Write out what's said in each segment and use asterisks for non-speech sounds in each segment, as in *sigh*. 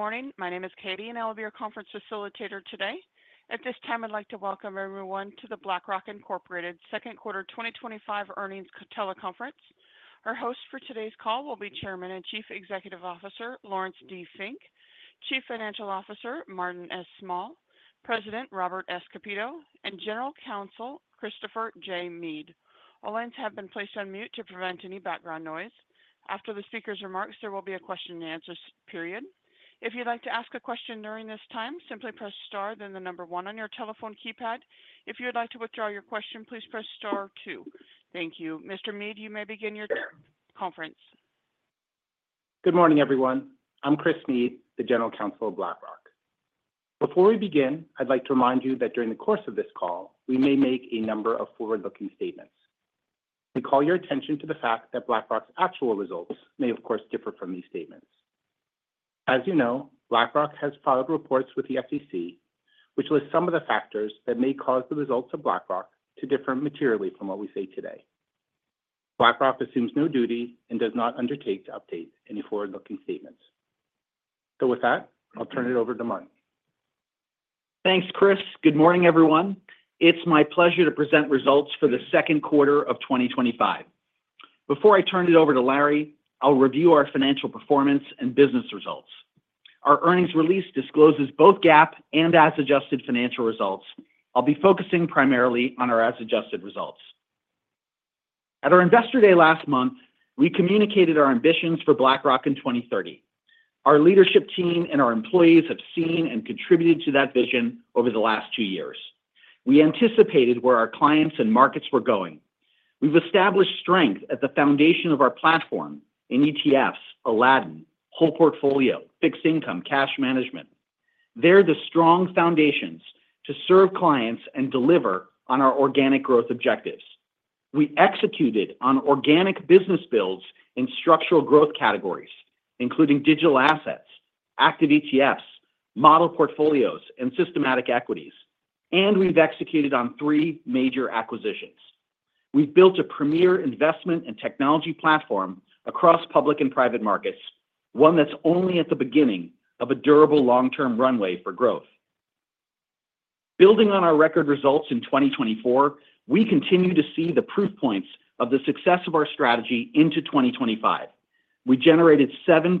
Good morning. My name is Katie, and I will be your conference facilitator today. At this time, I'd like to welcome everyone to the BlackRock Second Quarter 2025 Earnings Teleconference. Our hosts for today's call will be Chairman and Chief Executive Officer Laurence D. Fink, Chief Financial Officer Martin S. Small, President Robert S. Kapito, and General Counsel Christopher J. Meade. All lines have been placed on mute to prevent any background noise. After the speaker's remarks, there will be a question-and-answer period. If you'd like to ask a question during this time, simply press Star, then the number one on your telephone keypad. If you would like to withdraw your question, please press Star two. Thank you. Mr. Meade, you may begin your conference. Good morning, everyone. I'm Chris Meade, the General Counsel of BlackRock. Before we begin, I'd like to remind you that during the course of this call, we may make a number of forward-looking statements. We call your attention to the fact that BlackRock's actual results may, of course, differ from these statements. As you know, BlackRock has filed reports with the FTC, which list some of the factors that may cause the results of BlackRock to differ materially from what we see today. BlackRock assumes no duty and does not undertake to update any forward-looking statements. With that, I'll turn it over to Martin. Thanks, Chris. Good morning, everyone. It's my pleasure to present results for the second quarter of 2025. Before I turn it over to Larry, I'll review our financial performance and business results. Our earnings release discloses both GAAP and as-adjusted financial results. I'll be focusing primarily on our as-adjusted results. At our Investor Day last month, we communicated our ambitions for BlackRock in 2030. Our leadership team and our employees have seen and contributed to that vision over the last two years. We anticipated where our clients and markets were going. We've established strength at the foundation of our platform in ETFs, Aladdin, whole portfolio, fixed income, cash management. They're the strong foundations to serve clients and deliver on our organic growth objectives. We executed on organic business builds in structural growth categories, including digital assets, active ETFs, model portfolios, and systematic equities, and we've executed on three major acquisitions. We've built a premier investment and technology platform across public and private markets, one that's only at the beginning of a durable long-term runway for growth. Building on our record results in 2024, we continue to see the proof points of the success of our strategy into 2025. We generated 7%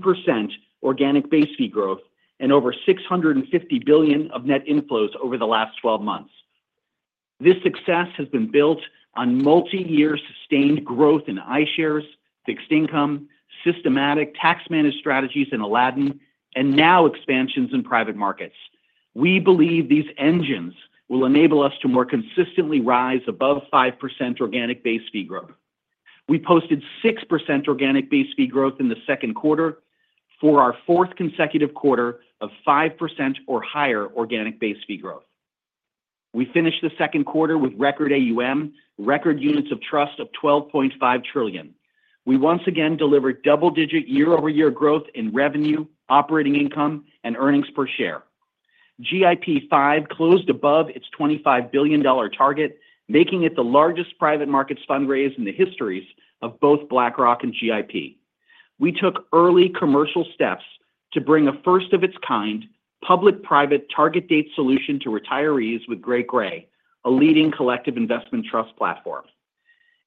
organic base fee growth and over $650 billion of net inflows over the last 12 months. This success has been built on multi-year sustained growth in iShares, fixed income, systematic tax-managed strategies in Aladdin, and now expansions in private markets. We believe these engines will enable us to more consistently rise above 5% organic base fee growth. We posted 6% organic base fee growth in the second quarter for our fourth consecutive quarter of 5% or higher organic base fee growth. We finished the second quarter with record AUM, record units of trust of $12.5 trillion. We once again delivered double-digit year-over-year growth in revenue, operating income, and earnings per share. GIP 5 closed above its $25 billion target, making it the largest private markets fundraise in the histories of both BlackRock and GIP. We took early commercial steps to bring a first-of-its-kind public-private target date solution to retirees with Great Gray, a leading collective investment trust platform.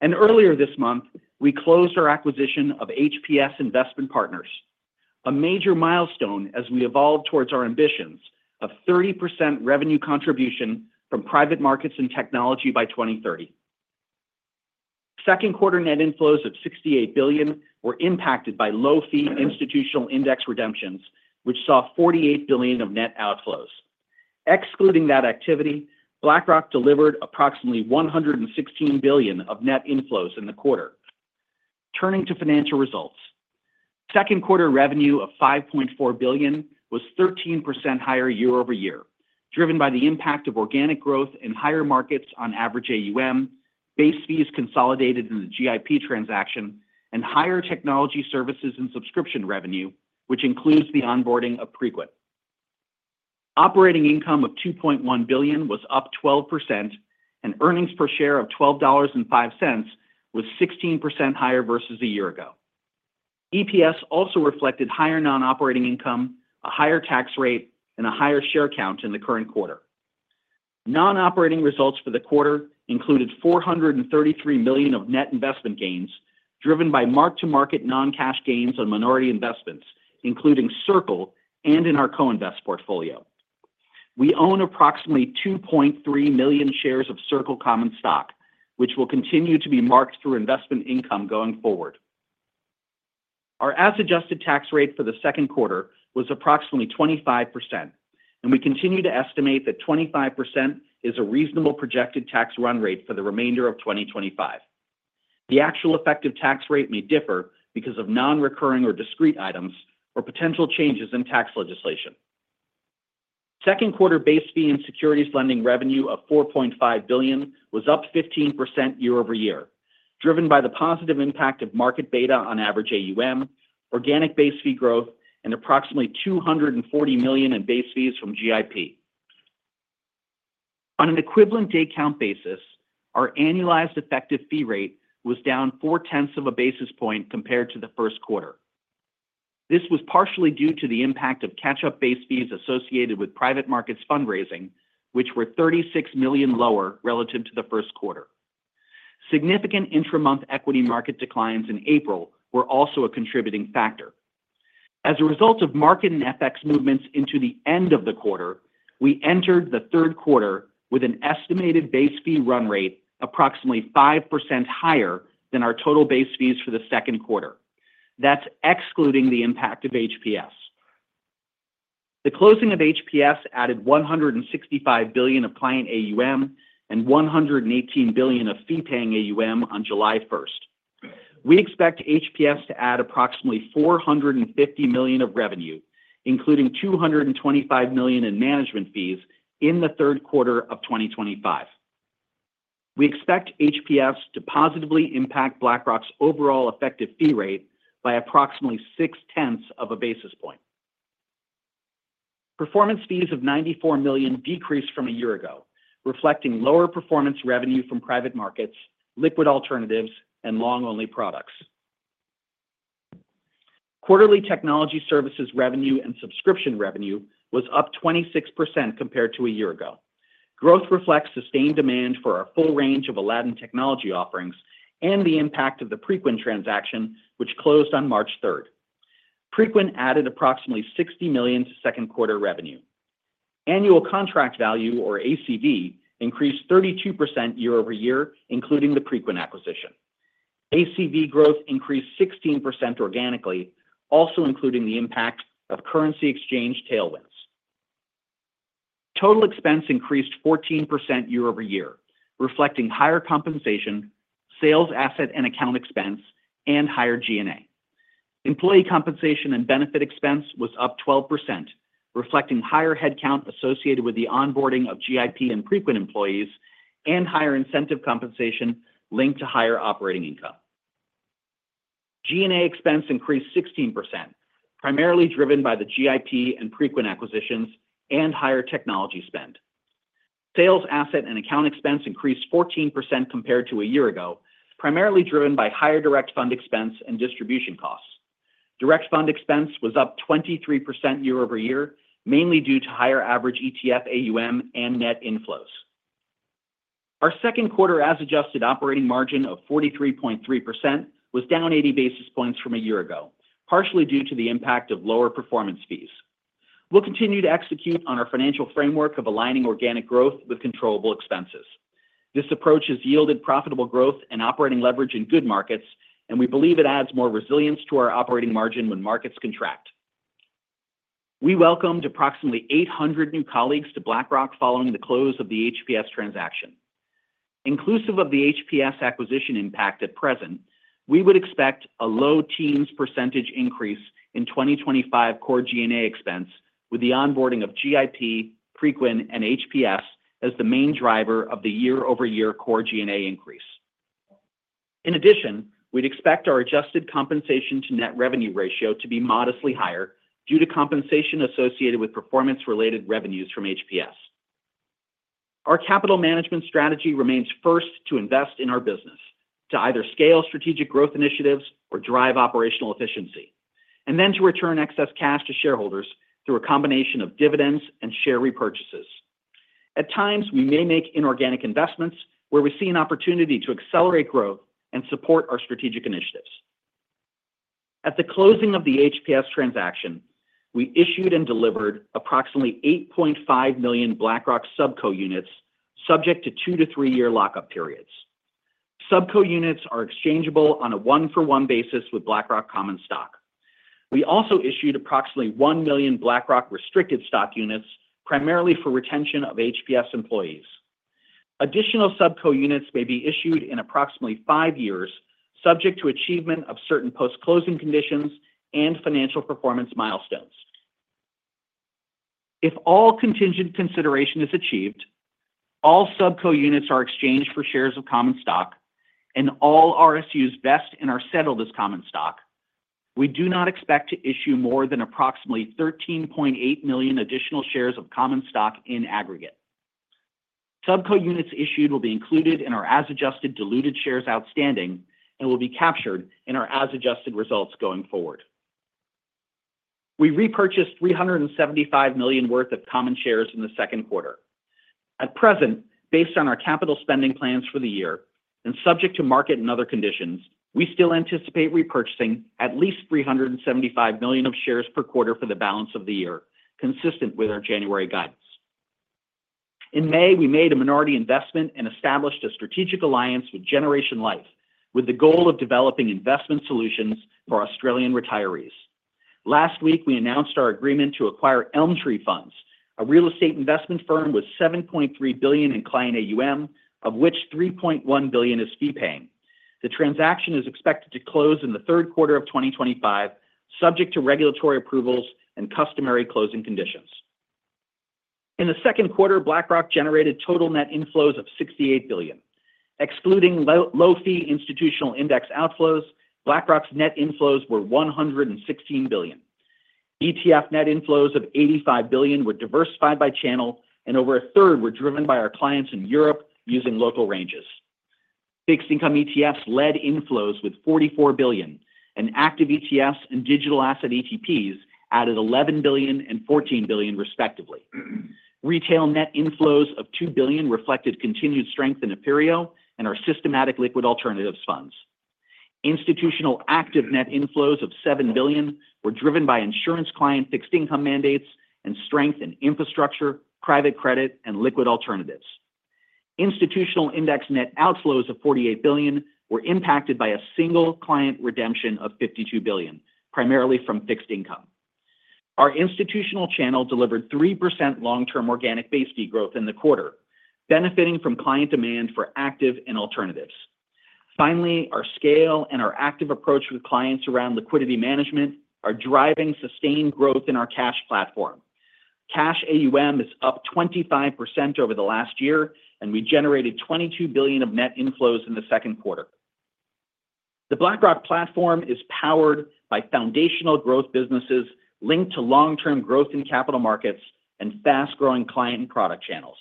Earlier this month, we closed our acquisition of HPS Investment Partners, a major milestone as we evolve towards our ambitions of 30% revenue contribution from private markets and technology by 2030. Second quarter net inflows of $68 billion were impacted by low-fee institutional index redemptions, which saw $48 billion of net outflows. Excluding that activity, BlackRock delivered approximately $116 billion of net inflows in the quarter. Turning to financial results, second quarter revenue of $5.4 billion was 13% higher year-over-year, driven by the impact of organic growth in higher markets on average AUM, base fees consolidated in the GIP transaction, and higher technology services and subscription revenue, which includes the onboarding of Preqin. Operating income of $2.1 billion was up 12%, and earnings per share of $12.05 was 16% higher versus a year ago. EPS also reflected higher non-operating income, a higher tax rate, and a higher share count in the current quarter. Non-operating results for the quarter included $433 million of net investment gains, driven by mark-to-market non-cash gains on minority investments, including Circle and in our coinvest portfolio. We own approximately 2.3 million shares of Circle Common Stock, which will continue to be marked through investment income going forward. Our as-adjusted tax rate for the second quarter was approximately 25%, and we continue to estimate that 25% is a reasonable projected tax run rate for the remainder of 2025. The actual effective tax rate may differ because of non-recurring or discrete items or potential changes in tax legislation. Second quarter base fee and securities lending revenue of $4.5 billion was up 15% year-over-year, driven by the positive impact of market beta on average AUM, organic base fee growth, and approximately $240 million in base fees from GIP. On an equivalent day count basis, our annualized effective fee rate was down four tenths of a basis point compared to the first quarter. This was partially due to the impact of catch-up base fees associated with private markets fundraising, which were $36 million lower relative to the first quarter. Significant intramonth equity market declines in April were also a contributing factor. As a result of market and FX movements into the end of the quarter, we entered the third quarter with an estimated base fee run rate approximately 5% higher than our total base fees for the second quarter. That is excluding the impact of HPS. The closing of HPS added $165 billion of client AUM and $118 billion of fee-paying AUM on July 1st. We expect HPS to add approximately $450 million of revenue, including $225 million in management fees, in the third quarter of 2025. We expect HPS to positively impact BlackRock's overall effective fee rate by approximately six tenths of a basis point. Performance fees of $94 million decreased from a year ago, reflecting lower performance revenue from private markets, liquid alternatives, and long-only products. Quarterly technology services revenue and subscription revenue was up 26% compared to a year ago. Growth reflects sustained demand for our full range of Aladdin technology offerings and the impact of the Preqin transaction, which closed on March 3rd. Preqin added approximately $60 million to second quarter revenue. Annual contract value, or ACV, increased 32% year-over-year, including the Preqin acquisition. ACV growth increased 16% organically, also including the impact of currency exchange tailwinds. Total expense increased 14% year-over-year, reflecting higher compensation, sales asset and account expense, and higher G&A. Employee compensation and benefit expense was up 12%, reflecting higher headcount associated with the onboarding of GIP and Preqin employees and higher incentive compensation linked to higher operating income. G&A expense increased 16%, primarily driven by the GIP and Preqin acquisitions and higher technology spend. Sales asset and account expense increased 14% compared to a year ago, primarily driven by higher direct fund expense and distribution costs. Direct fund expense was up 23% year-over-year, mainly due to higher average ETF AUM and net inflows. Our second quarter as-adjusted operating margin of 43.3% was down 80 basis points from a year ago, partially due to the impact of lower performance fees. We will continue to execute on our financial framework of aligning organic growth with controllable expenses. This approach has yielded profitable growth and operating leverage in good markets, and we believe it adds more resilience to our operating margin when markets contract. We welcomed approximately 800 new colleagues to BlackRock following the close of the HPS transaction. Inclusive of the HPS acquisition impact at present, we would expect a low teens percentage increase in 2025 core G&A expense with the onboarding of GIP, Preqin, and HPS as the main driver of the year-over-year core G&A increase. In addition, we'd expect our adjusted compensation to net revenue ratio to be modestly higher due to compensation associated with performance-related revenues from HPS. Our capital management strategy remains first to invest in our business, to either scale strategic growth initiatives or drive operational efficiency, and then to return excess cash to shareholders through a combination of dividends and share repurchases. At times, we may make inorganic investments where we see an opportunity to accelerate growth and support our strategic initiatives. At the closing of the HPS transaction, we issued and delivered approximately 8.5 million BlackRock sub-co units, subject to two- to three-year lockup periods. Sub-co units are exchangeable on a one-for-one basis with BlackRock Common Stock. We also issued approximately 1 million BlackRock restricted stock units, primarily for retention of HPS employees. Additional sub-co units may be issued in approximately five years, subject to achievement of certain post-closing conditions and financial performance milestones. If all contingent consideration is achieved, all sub-co units are exchanged for shares of common stock, and all RSUs vest and are settled as common stock, we do not expect to issue more than approximately 13.8 million additional shares of common stock in aggregate. Sub-co units issued will be included in our as-adjusted diluted shares outstanding and will be captured in our as-adjusted results going forward. We repurchased $375 million worth of common shares in the second quarter. At present, based on our capital spending plans for the year and subject to market and other conditions, we still anticipate repurchasing at least $375 million of shares per quarter for the balance of the year, consistent with our January guidance. In May, we made a minority investment and established a strategic alliance with Generation Life, with the goal of developing investment solutions for Australian retirees. Last week, we announced our agreement to acquire ElmTree Funds, a real estate investment firm with $7.3 billion in client AUM, of which $3.1 billion is fee-paying. The transaction is expected to close in the third quarter of 2025, subject to regulatory approvals and customary closing conditions. In the second quarter, BlackRock generated total net inflows of $68 billion. Excluding low-fee institutional index outflows, BlackRock's net inflows were $116 billion. ETF net inflows of $85 billion were diversified by channel, and over a third were driven by our clients in Europe using local ranges. Fixed income ETFs led inflows with $44 billion, and active ETFs and digital asset ETPs added $11 billion and $14 billion, respectively. Retail net inflows of $2 billion reflected continued strength in Aperio and our systematic liquid alternatives funds. Institutional active net inflows of $7 billion were driven by insurance client fixed income mandates and strength in infrastructure, private credit, and liquid alternatives. Institutional index net outflows of $48 billion were impacted by a single client redemption of $52 billion, primarily from fixed income. Our institutional channel delivered 3% long-term organic base fee growth in the quarter, benefiting from client demand for active and alternatives. Finally, our scale and our active approach with clients around liquidity management are driving sustained growth in our cash platform. Cash AUM is up 25% over the last year, and we generated $22 billion of net inflows in the second quarter. The BlackRock platform is powered by foundational growth businesses linked to long-term growth in capital markets and fast-growing client and product channels.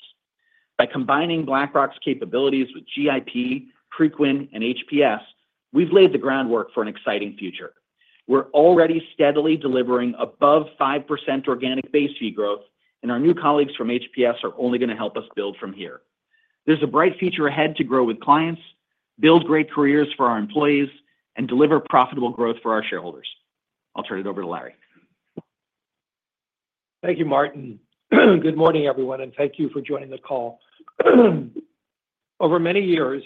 By combining BlackRock's capabilities with GIP, Preqin, and HPS, we've laid the groundwork for an exciting future. We're already steadily delivering above 5% organic base fee growth, and our new colleagues from HPS are only going to help us build from here. There's a bright future ahead to grow with clients, build great careers for our employees, and deliver profitable growth for our shareholders. I'll turn it over to Larry. Thank you, Martin. Good morning, everyone, and thank you for joining the call. Over many years,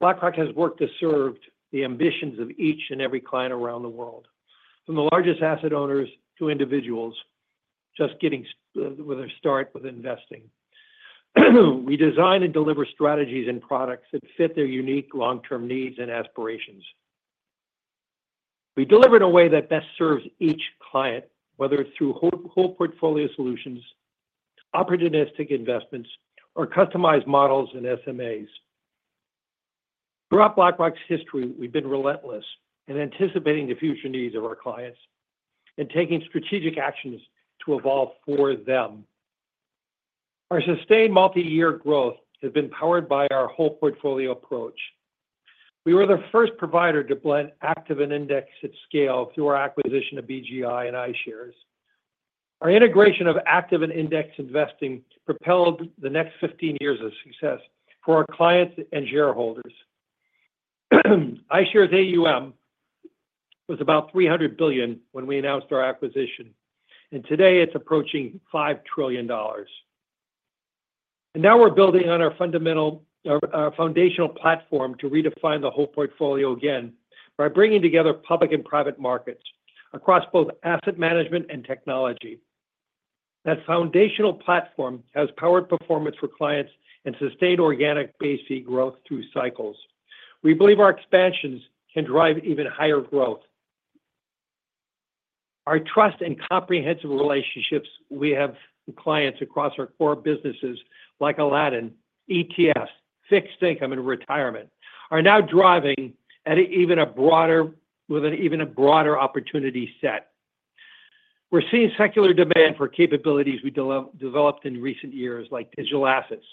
BlackRock has worked to serve the ambitions of each and every client around the world, from the largest asset owners to individuals just getting a start with investing. We design and deliver strategies and products that fit their unique long-term needs and aspirations. We deliver in a way that best serves each client, whether it's through whole portfolio solutions, opportunistic investments, or customized models and SMAs. Throughout BlackRock's history, we've been relentless in anticipating the future needs of our clients and taking strategic actions to evolve for them. Our sustained multi-year growth has been powered by our whole portfolio approach. We were the first provider to blend active and index at scale through our acquisition of BGI and iShares. Our integration of active and index investing propelled the next 15 years of success for our clients and shareholders. iShares AUM was about $300 billion when we announced our acquisition, and today it's approaching $5 trillion. Now we're building on our foundational platform to redefine the whole portfolio again by bringing together public and private markets across both asset management and technology. That foundational platform has powered performance for clients and sustained organic base fee growth through cycles. We believe our expansions can drive even higher growth. Our trust and comprehensive relationships we have with clients across our core businesses, like Aladdin, ETFs, fixed income, and retirement, are now driving at an even a broader, with an even a broader opportunity set. We're seeing secular demand for capabilities we developed in recent years, like digital assets,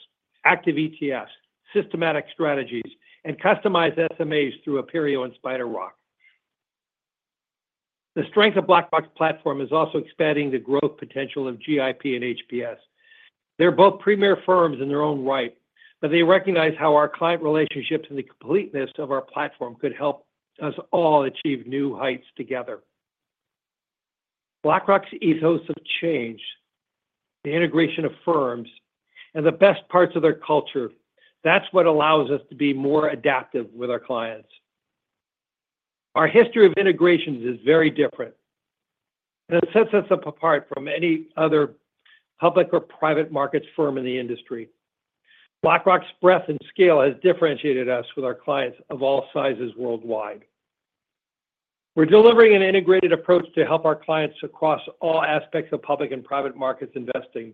active ETFs, systematic strategies, and customized SMAs through Aperio and SpiderRock. The strength of BlackRock's platform is also expanding the growth potential of GIP and HPS. They're both premier firms in their own right, but they recognize how our client relationships and the completeness of our platform could help us all achieve new heights together. BlackRock's ethos of change. The integration of firms, and the best parts of their culture, that's what allows us to be more adaptive with our clients. Our history of integrations is very different. It sets us apart from any other public or private markets firm in the industry. BlackRock's breadth and scale has differentiated us with our clients of all sizes worldwide. We're delivering an integrated approach to help our clients across all aspects of public and private markets investing.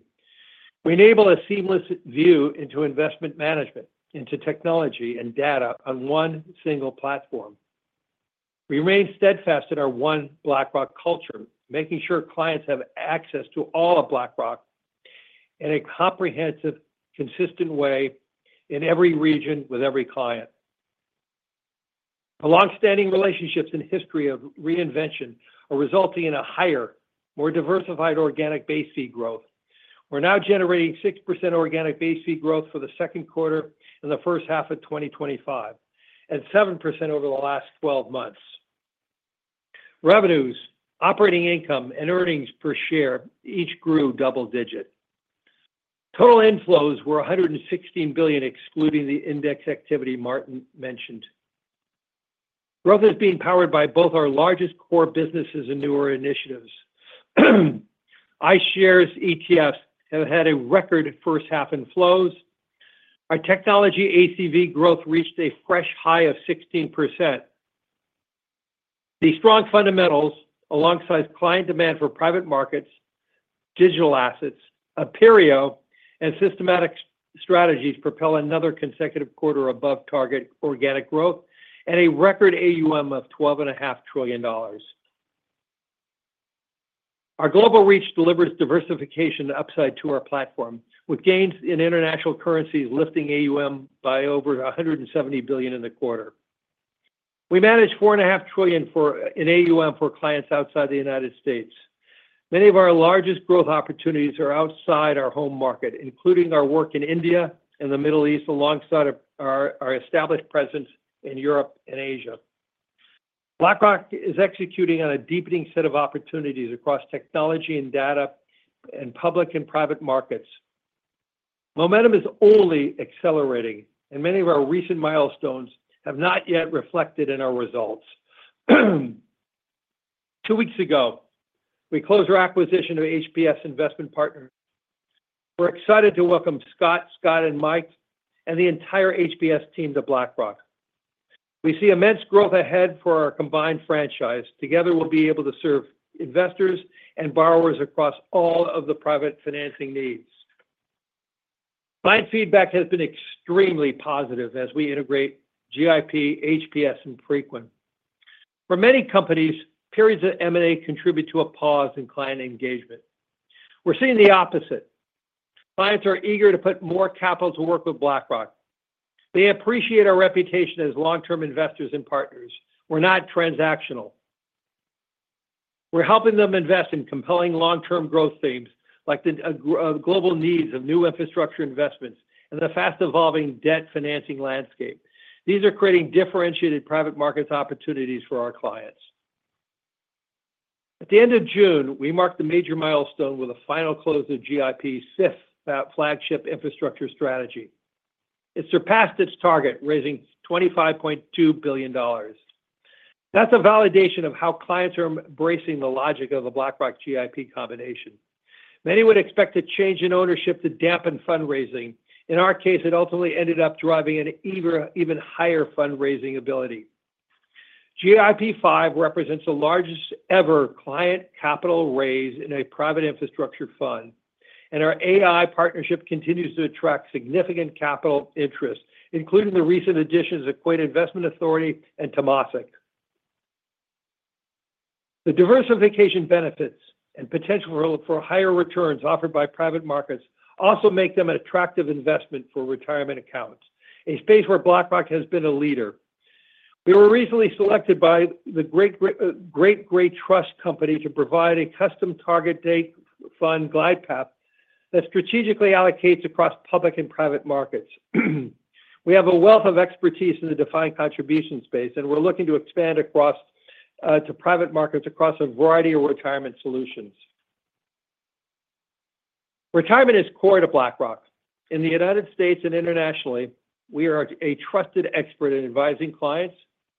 We enable a seamless view into investment management, into technology and data on one single platform. We remain steadfast in our one BlackRock culture, making sure clients have access to all of BlackRock in a comprehensive, consistent way in every region with every client. The long-standing relationships and history of reinvention are resulting in a higher, more diversified organic base fee growth. We're now generating 6% organic base fee growth for the second quarter and the first half of 2025, and 7% over the last 12 months. Revenues, operating income, and earnings per share each grew double-digit. Total inflows were $116 billion, excluding the index activity Martin mentioned. Growth is being powered by both our largest core businesses and newer initiatives. iShares ETFs have had a record first half in flows. Our technology ACV growth reached a fresh high of 16%. The strong fundamentals, alongside client demand for private markets, digital assets, Aperio, and systematic strategies propel another consecutive quarter above target organic growth and a record AUM of $12.5 trillion. Our global reach delivers diversification upside to our platform, with gains in international currencies lifting AUM by over $170 billion in the quarter. We manage $4.5 trillion in AUM for clients outside the U.S. Many of our largest growth opportunities are outside our home market, including our work in India and the Middle East, alongside our established presence in Europe and Asia. BlackRock is executing on a deepening set of opportunities across technology and data and public and private markets. Momentum is only accelerating, and many of our recent milestones have not yet reflected in our results. Two weeks ago, we closed our acquisition of HPS Investment Partners. We're excited to welcome Scott, Scott, and Mike, and the entire HPS team to BlackRock. We see immense growth ahead for our combined franchise. Together, we'll be able to serve investors and borrowers across all of the private financing needs. Client feedback has been extremely positive as we integrate GIP, HPS, and Preqin. For many companies, periods of M&A contribute to a pause in client engagement. We're seeing the opposite. Clients are eager to put more capital to work with BlackRock. They appreciate our reputation as long-term investors and partners. We're not transactional. We're helping them invest in compelling long-term growth themes like the global needs of new infrastructure investments and the fast-evolving debt financing landscape. These are creating differentiated private markets opportunities for our clients. At the end of June, we marked the major milestone with a final close of GIP's fifth flagship infrastructure strategy. It surpassed its target, raising $25.2 billion. That's a validation of how clients are embracing the logic of the BlackRock GIP combination. Many would expect a change in ownership to dampen fundraising. In our case, it ultimately ended up driving an even higher fundraising ability. GIP 5 represents the largest ever client capital raise in a private infrastructure fund, and our AI partnership continues to attract significant capital interest, including the recent additions of Quade Investment Authority and Tomasik. The diversification benefits and potential for higher returns offered by private markets also make them an attractive investment for retirement accounts, a space where BlackRock has been a leader. We were recently selected by the Great Gray Trust Company to provide a custom target date fund, GlidePath, that strategically allocates across public and private markets. We have a wealth of expertise in the defined contribution space, and we're looking to expand across to private markets across a variety of retirement solutions. Retirement is core to BlackRock. In the U.S. and internationally, we are a trusted expert in advising clients,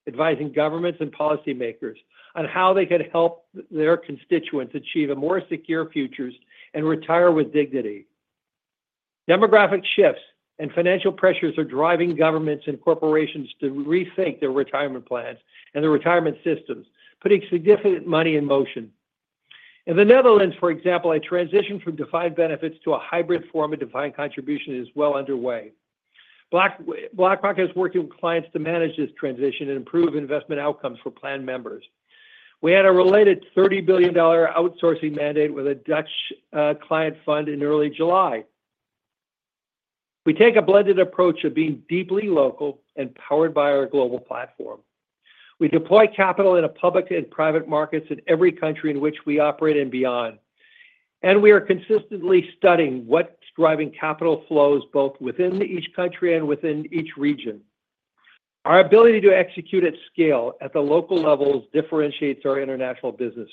advising governments, and policymakers on how they can help their constituents achieve a more secure future and retire with dignity. Demographic shifts and financial pressures are driving governments and corporations to rethink their retirement plans and their retirement systems, putting significant money in motion. In the Netherlands, for example, a transition from defined benefits to a hybrid form of defined contribution is well underway. BlackRock is working with clients to manage this transition and improve investment outcomes for plan members. We had a related $30 billion outsourcing mandate with a Dutch client fund in early July. We take a blended approach of being deeply local and powered by our global platform. We deploy capital in public and private markets in every country in which we operate and beyond. We are consistently studying what is driving capital flows both within each country and within each region. Our ability to execute at scale at the local levels differentiates our international business.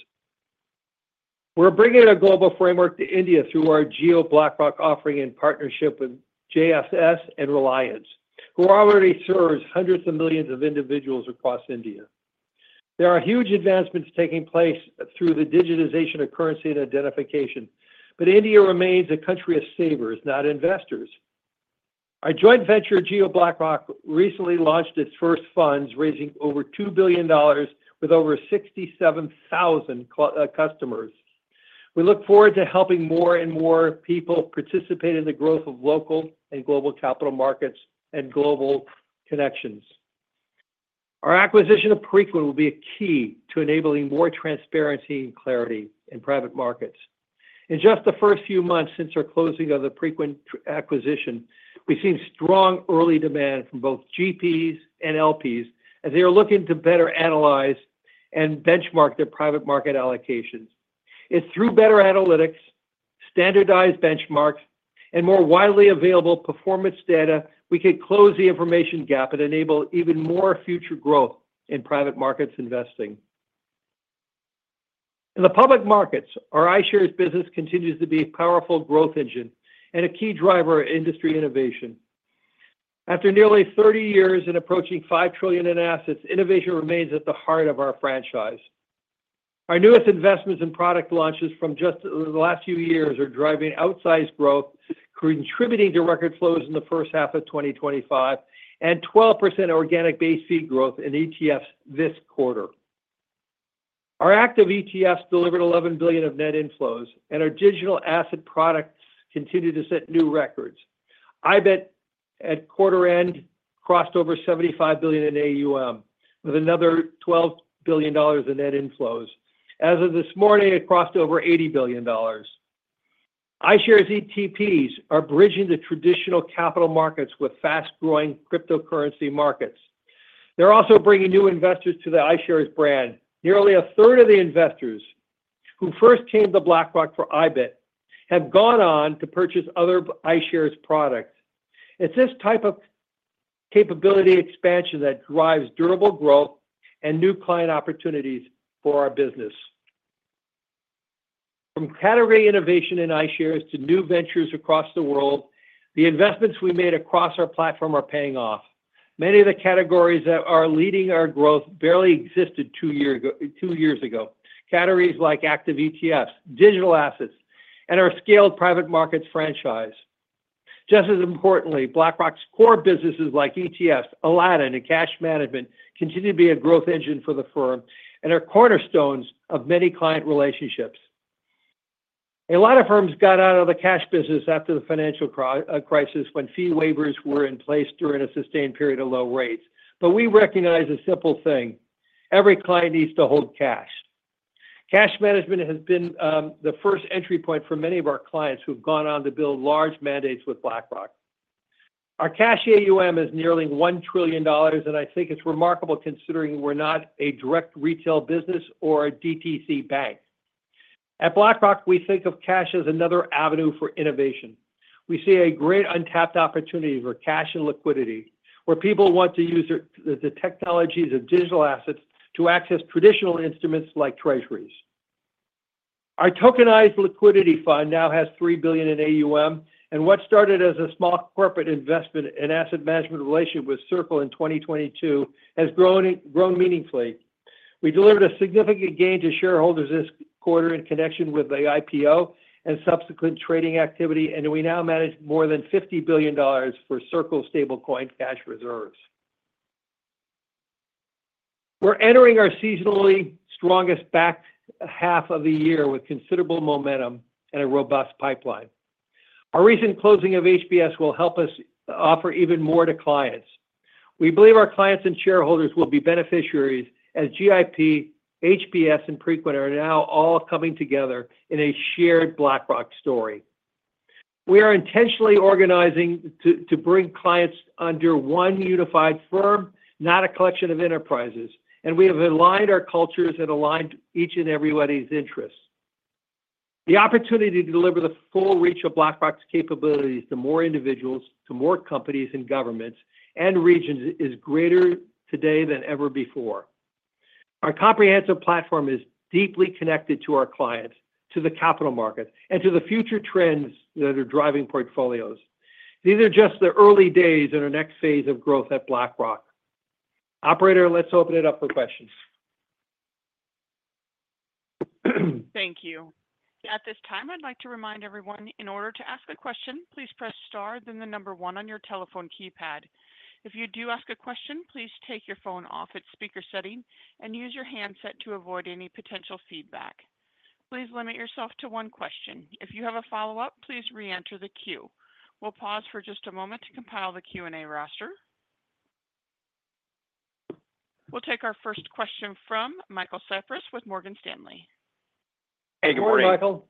We are bringing a global framework to India through our Jio BlackRock offering in partnership with Jio and Reliance, who already serves hundreds of millions of individuals across India. There are huge advancements taking place through the digitization of currency and identification, but India remains a country of savers, not investors. Our joint venture, Jio BlackRock, recently launched its first funds, raising over $2 billion with over 67,000 customers. We look forward to helping more and more people participate in the growth of local and global capital markets and global connections. Our acquisition of Preqin will be a key to enabling more transparency and clarity in private markets. In just the first few months since our closing of the Preqin acquisition, we've seen strong early demand from both GPs and LPs as they are looking to better analyze and benchmark their private market allocations. It's through better analytics, standardized benchmarks, and more widely available performance data we can close the information gap and enable even more future growth in private markets investing. In the public markets, our iShares business continues to be a powerful growth engine and a key driver of industry innovation. After nearly 30 years and approaching $5 trillion in assets, innovation remains at the heart of our franchise. Our newest investments and product launches from just the last few years are driving outsized growth, contributing to record flows in the first half of 2025 and 12% organic base fee growth in ETFs this quarter. Our active ETFs delivered $11 billion of net inflows, and our digital asset products continue to set new records. IBIT at quarter-end crossed over $75 billion in AUM, with another $12 billion in net inflows. As of this morning, it crossed over $80 billion. iShares ETPs are bridging the traditional capital markets with fast-growing cryptocurrency markets. They're also bringing new investors to the iShares brand. Nearly a third of the investors who first came to BlackRock for IBIT have gone on to purchase other iShares products. It's this type of capability expansion that drives durable growth and new client opportunities for our business. From category innovation in iShares to new ventures across the world, the investments we made across our platform are paying off. Many of the categories that are leading our growth barely existed two years ago, categories like active ETFs, digital assets, and our scaled private markets franchise. Just as importantly, BlackRock's core businesses like ETFs, Aladdin, and cash management continue to be a growth engine for the firm and are cornerstones of many client relationships. A lot of firms got out of the cash business after the financial crisis when fee waivers were in place during a sustained period of low rates. We recognize a simple thing: every client needs to hold cash. Cash management has been the first entry point for many of our clients who have gone on to build large mandates with BlackRock. Our cash AUM is nearly $1 trillion, and I think it's remarkable considering we're not a direct retail business or a DTC bank. At BlackRock, we think of cash as another avenue for innovation. We see a great untapped opportunity for cash and liquidity, where people want to use the technologies of digital assets to access traditional instruments like treasuries. Our tokenized liquidity fund now has $3 billion in AUM, and what started as a small corporate investment in asset management relationship with Circle in 2022 has grown meaningfully. We delivered a significant gain to shareholders this quarter in connection with the IPO and subsequent trading activity, and we now manage more than $50 billion for Circle's stablecoin cash reserves. We are entering our seasonally strongest back half of the year with considerable momentum and a robust pipeline. Our recent closing of HPS will help us offer even more to clients. We believe our clients and shareholders will be beneficiaries as GIP, HPS, and Preqin are now all coming together in a shared BlackRock story. We are intentionally organizing to bring clients under one unified firm, not a collection of enterprises, and we have aligned our cultures and aligned each and everybody's interests. The opportunity to deliver the full reach of BlackRock's capabilities to more individuals, to more companies and governments and regions is greater today than ever before. Our comprehensive platform is deeply connected to our clients, to the capital markets, and to the future trends that are driving portfolios. These are just the early days in our next phase of growth at BlackRock. Operator, let's open it up for questions. Thank you. At this time, I'd like to remind everyone, in order to ask a question, please press star, then the number one on your telephone keypad. If you do ask a question, please take your phone off its speaker setting and use your handset to avoid any potential feedback. Please limit yourself to one question. If you have a follow-up, please re-enter the queue. We'll pause for just a moment to compile the Q&A roster. We'll take our first question from Michael Cyprys with Morgan Stanley. Hey, good morning, *crosstalk* Michael.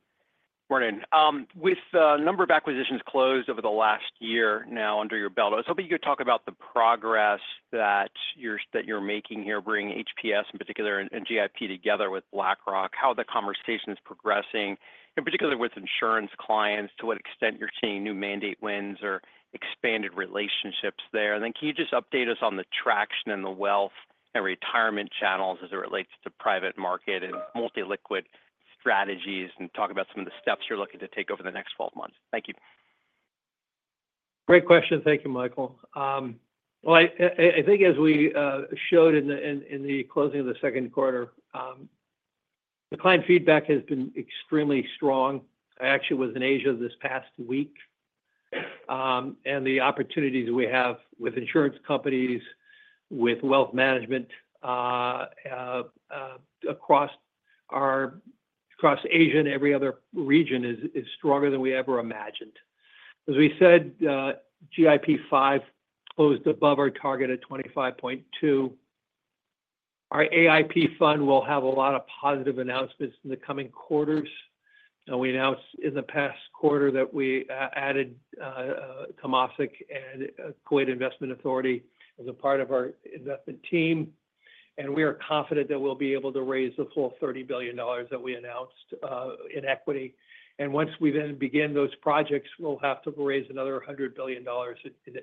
Good morning. With a number of acquisitions closed over the last year now under your belt, I was hoping you could talk about the progress that you're making here, bringing HPS in particular and GIP together with BlackRock, how the conversation is progressing, in particular with insurance clients, to what extent you're seeing new mandate wins or expanded relationships there. Can you just update us on the traction in the wealth and retirement channels as it relates to private market and multi-liquid strategies and talk about some of the steps you're looking to take over the next 12 months? Thank you. Great question. Thank you, Michael. I think as we showed in the closing of the second quarter, the client feedback has been extremely strong. I actually was in Asia this past week. The opportunities we have with insurance companies, with wealth management across Asia, and every other region, are stronger than we ever imagined. As we said, GIP 5 closed above our target at $25.2 billion. Our AIP fund will have a lot of positive announcements in the coming quarters. We announced in the past quarter that we added Temasek and Kuwait Investment Authority as a part of our investment team. We are confident that we'll be able to raise the full $30 billion that we announced in equity. Once we then begin those projects, we'll have to raise another $100 billion in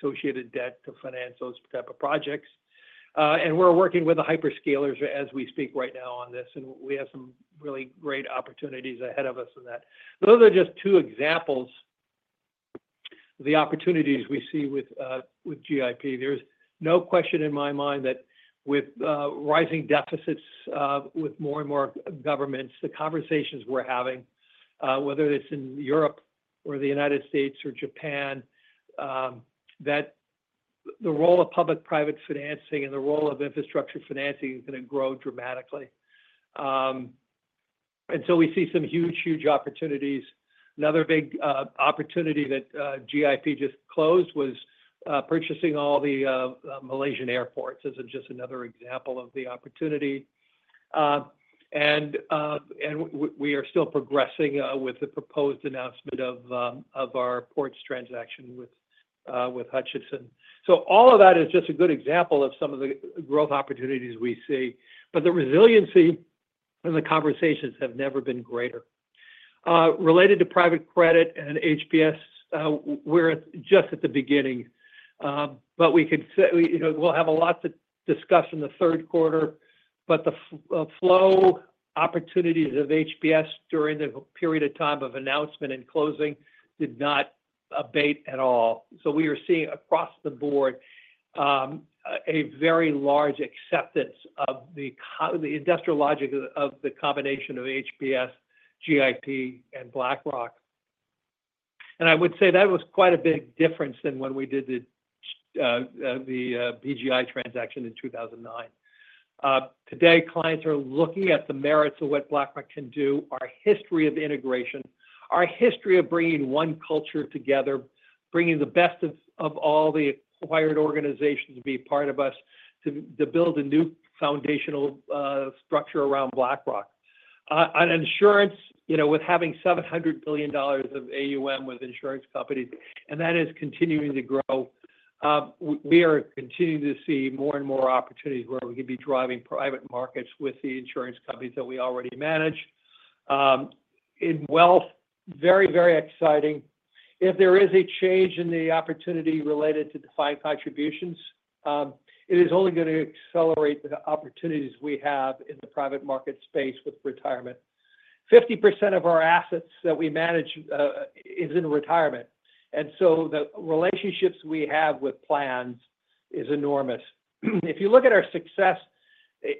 associated debt to finance those types of projects. We are working with the hyperscalers as we speak right now on this, and we have some really great opportunities ahead of us in that. Those are just two examples of the opportunities we see with GIP. There's no question in my mind that with rising deficits, with more and more governments, the conversations we're having, whether it's in Europe or the United States or Japan, that the role of public-private financing and the role of infrastructure financing is going to grow dramatically. We see some huge, huge opportunities. Another big opportunity that GIP just closed was purchasing all the Malaysian airports as just another example of the opportunity. We are still progressing with the proposed announcement of our ports transaction with Hutchinson. All of that is just a good example of some of the growth opportunities we see. The resiliency and the conversations have never been greater. Related to private credit and HPS, we're just at the beginning, but we could say we'll have a lot to discuss in the third quarter, the flow opportunities of HPS during the period of time of announcement and closing did not abate at all. We are seeing across the board a very large acceptance of the industrial logic of the combination of HPS, GIP, and BlackRock. I would say that was quite a big difference than when we did the BGI transaction in 2009. Today, clients are looking at the merits of what BlackRock can do, our history of integration, our history of bringing one culture together, bringing the best of all the acquired organizations to be part of us, to build a new foundational structure around BlackRock. On insurance, with having $700 billion of AUM with insurance companies, and that is continuing to grow. We are continuing to see more and more opportunities where we can be driving private markets with the insurance companies that we already manage. In wealth, very, very exciting. If there is a change in the opportunity related to defined contributions, it is only going to accelerate the opportunities we have in the private market space with retirement. 50% of our assets that we manage is in retirement. And so the relationships we have with plans is enormous. If you look at our success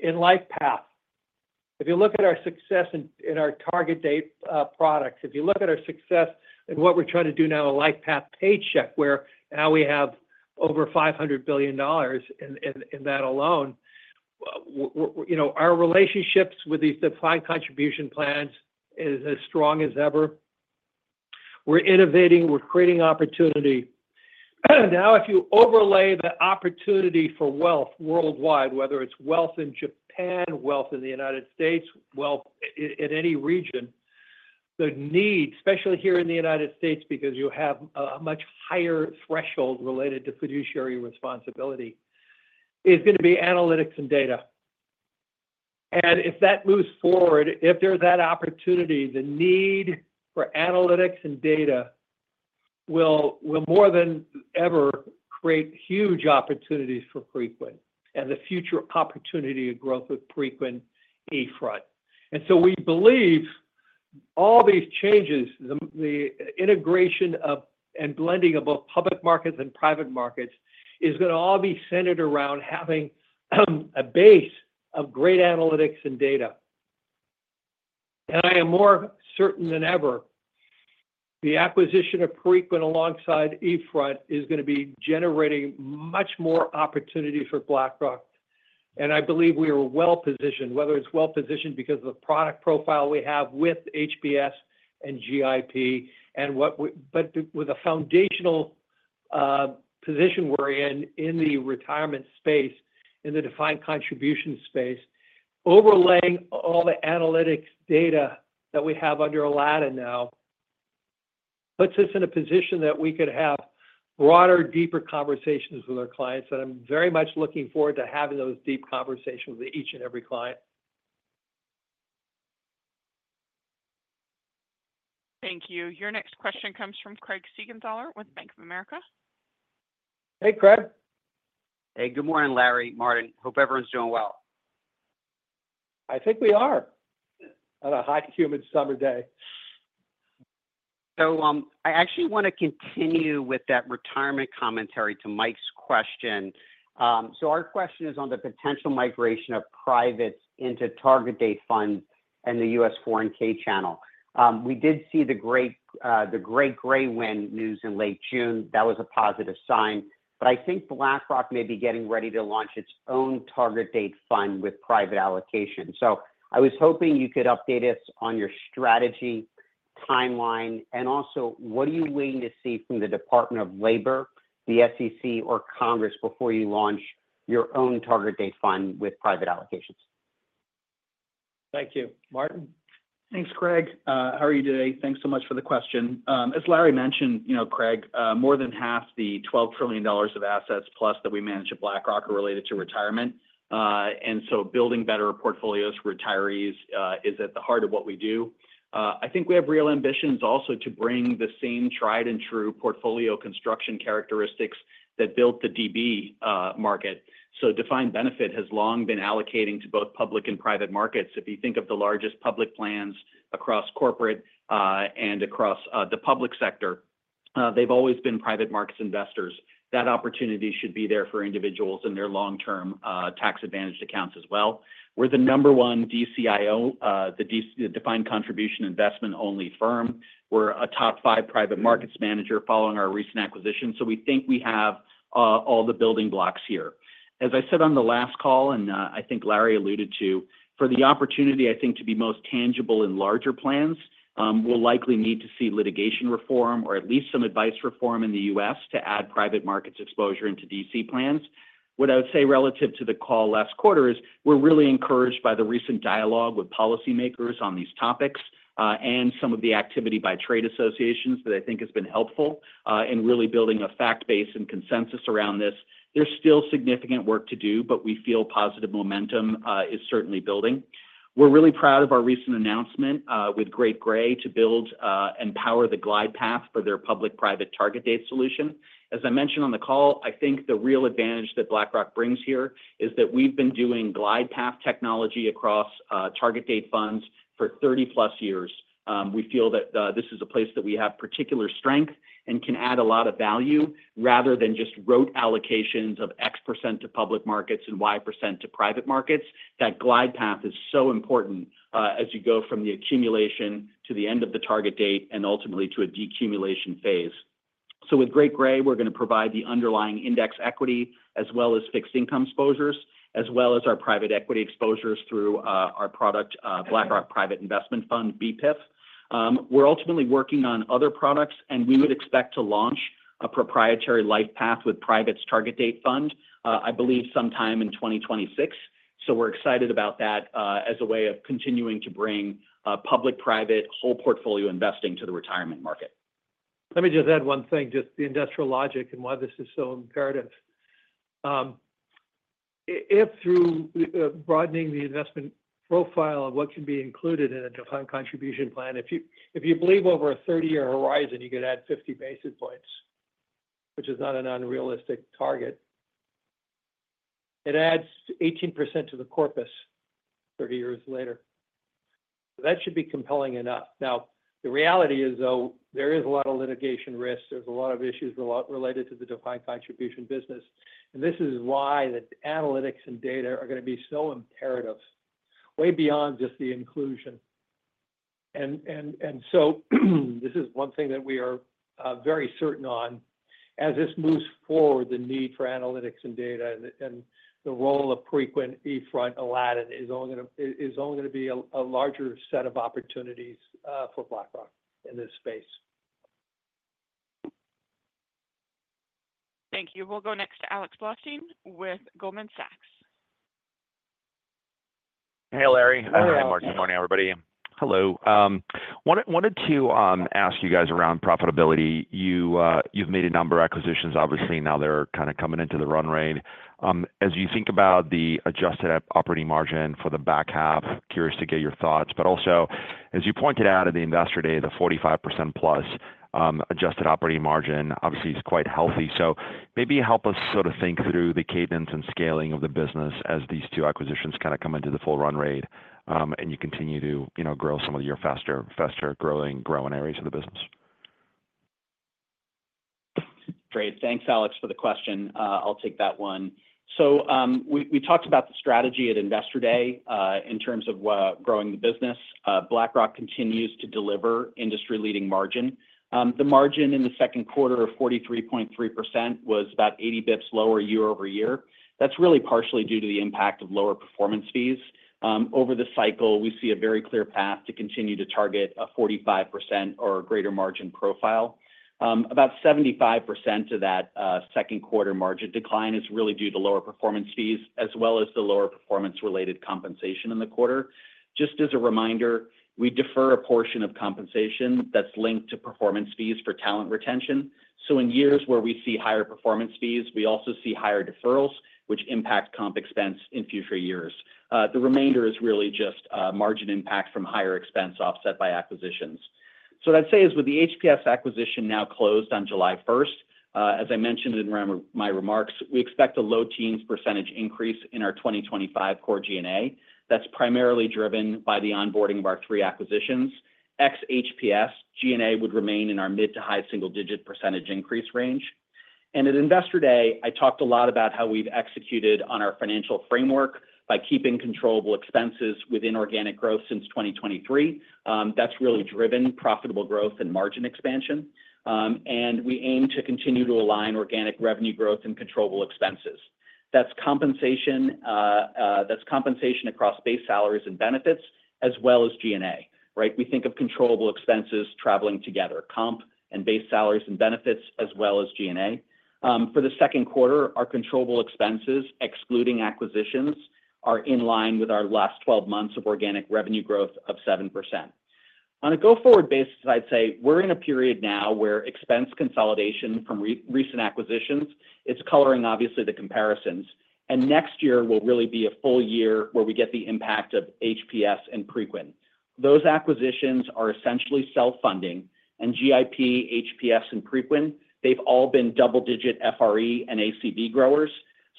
in LifePath, if you look at our success in our target date products, if you look at our success in what we're trying to do now in LifePath Paycheck, where now we have over $500 billion in that alone. Our relationships with these defined contribution plans is as strong as ever. We're innovating. We're creating opportunity. Now, if you overlay the opportunity for wealth worldwide, whether it's wealth in Japan, wealth in the United States, wealth in any region, the need, especially here in the U.S., because you have a much higher threshold related to fiduciary responsibility, is going to be analytics and data. If that moves forward, if there's that opportunity, the need for analytics and data will more than ever create huge opportunities for Preqin and the future opportunity of growth with Preqin, eFront. We believe all these changes, the integration and blending of both public markets and private markets, is going to all be centered around having a base of great analytics and data. I am more certain than ever the acquisition of Preqin alongside eFront is going to be generating much more opportunity for BlackRock. I believe we are well-positioned, whether it's well-positioned because of the product profile we have with HPS and GIP, but with a foundational position we're in in the retirement space, in the defined contribution space. Overlaying all the analytics data that we have under Aladdin now puts us in a position that we could have broader, deeper conversations with our clients. I'm very much looking forward to having those deep conversations with each and every client. Thank you. Your next question comes from Craig Siegenthaler with Bank of America. Hey, Craig. Hey, good morning, Larry, Martin. Hope everyone's doing well. I think we are. On a hot humid summer day. I actually want to continue with that retirement commentary to Mike's question. Our question is on the potential migration of privates into target date funds and the U.S. foreign K channel. We did see the Great Gray win news in late June. That was a positive sign, I think BlackRock may be getting ready to launch its own target date fund with private allocation. I was hoping you could update us on your strategy, timeline, and also what are you waiting to see from the Department of Labor, the SEC, or Congress before you launch your own target date fund with private allocations? Thank you. Martin. Thanks, Craig. How are you today? Thanks so much for the question. As Larry mentioned, Craig, more than half the $12 trillion of assets plus that we manage at BlackRock are related to retirement. Building better portfolios for retirees is at the heart of what we do. I think we have real ambitions also to bring the same tried-and-true portfolio construction characteristics that built the DB market. Defined benefit has long been allocating to both public and private markets. If you think of the largest public plans across corporate and across the public sector, they've always been private markets investors. That opportunity should be there for individuals in their long-term tax-advantaged accounts as well. We're the number one DCIO, the defined contribution investment-only firm. We're a top five private markets manager following our recent acquisition. We think we have all the building blocks here. As I said on the last call, and I think Larry alluded to, for the opportunity, I think, to be most tangible in larger plans, we'll likely need to see litigation reform or at least some advice reform in the U.S. to add private markets exposure into DC plans. What I would say relative to the call last quarter is we're really encouraged by the recent dialogue with policymakers on these topics and some of the activity by trade associations that I think has been helpful in really building a fact base and consensus around this. There's still significant work to do, but we feel positive momentum is certainly building. We're really proud of our recent announcement with Great Gray to build and power the GlidePath for their public-private target date solution. As I mentioned on the call, I think the real advantage that BlackRock brings here is that we've been doing GlidePath technology across target date funds for 30-plus years. We feel that this is a place that we have particular strength and can add a lot of value rather than just rote allocations of X% to public markets and Y% to private markets. That GlidePath is so important as you go from the accumulation to the end of the target date and ultimately to a de-accumulation phase. With Great Gray, we are going to provide the underlying index equity as well as fixed income exposures, as well as our private equity exposures through our product, BlackRock Private Investment Fund, BPIF. We are ultimately working on other products, and we would expect to launch a proprietary LifePath with Private's target date fund, I believe, sometime in 2026. We are excited about that as a way of continuing to bring public-private whole portfolio investing to the retirement market. Let me just add one thing, just the industrial logic and why this is so imperative. If through broadening the investment profile of what can be included in a defined contribution plan, if you believe over a 30-year horizon, you could add 50 basis points, which is not an unrealistic target. It adds 18% to the corpus 30 years later. That should be compelling enough. Now, the reality is, though, there is a lot of litigation risk. There is a lot of issues related to the defined contribution business. This is why the analytics and data are going to be so imperative, way beyond just the inclusion. This is one thing that we are very certain on. As this moves forward, the need for analytics and data and the role of Preqin, eFront, Aladdin is only going to be a larger set of opportunities for BlackRock in this space. Thank you. We'll go next to Alex Blostein with Goldman Sachs. Hey, Larry. *crosstalk* Hi, Martin. Good morning, everybody. Hello. Wanted to ask you guys around profitability. You've made a number of acquisitions, obviously. Now they're kind of coming into the runway. As you think about the adjusted operating margin for the back half, curious to get your thoughts. Also, as you pointed out at the investor day, the +45% adjusted operating margin, obviously, is quite healthy. Maybe help us sort of think through the cadence and scaling of the business as these two acquisitions kind of come into the full run rate and you continue to grow some of your faster-growing areas of the business. Great. Thanks, Alex, for the question. I'll take that one. We talked about the strategy at investor day in terms of growing the business. BlackRock continues to deliver industry-leading margin. The margin in the second quarter of 43.3% was about 80 basis points lower year-over-year. That's really partially due to the impact of lower performance fees. Over the cycle, we see a very clear path to continue to target a 45% or greater margin profile. About 75% of that second-quarter margin decline is really due to lower performance fees as well as the lower performance-related compensation in the quarter. Just as a reminder, we defer a portion of compensation that's linked to performance fees for talent retention. In years where we see higher performance fees, we also see higher deferrals, which impact comp expense in future years. The remainder is really just margin impact from higher expense offset by acquisitions. That's it. With the HPS acquisition now closed on July 1st, as I mentioned in my remarks, we expect a low teens % increase in our 2025 core G&A. That's primarily driven by the onboarding of our three acquisitions. Ex-HPS, G&A would remain in our mid to high single-digit % increase range. At investor day, I talked a lot about how we've executed on our financial framework by keeping controllable expenses within organic growth since 2023. That's really driven profitable growth and margin expansion. We aim to continue to align organic revenue growth and controllable expenses. That's compensation. Across base salaries and benefits, as well as G&A. We think of controllable expenses traveling together, comp and base salaries and benefits, as well as G&A. For the second quarter, our controllable expenses, excluding acquisitions, are in line with our last 12 months of organic revenue growth of 7%. On a go-forward basis, I'd say we're in a period now where expense consolidation from recent acquisitions is coloring, obviously, the comparisons. Next year will really be a full year where we get the impact of HPS and Preqin. Those acquisitions are essentially self-funding. GIP, HPS, and Preqin, they've all been double-digit FRE and ACB growers.